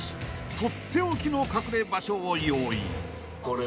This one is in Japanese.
［取って置きの隠れ場所を用意］